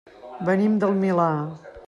Venim del Milà.